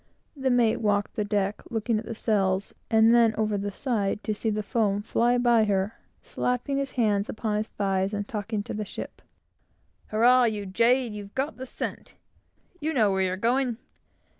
The mate walked the deck, looking at the sails, and then over the side to see the foam fly by her, slapping his hands upon his thighs and talking to the ship "Hurrah, you jade, you've got the scent! you know where you're going!"